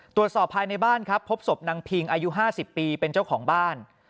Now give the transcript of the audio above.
ตรวจสอบภายในบ้านครับพบศพนางพิงอายุ๕๐ปีเป็นเจ้าของบ้าน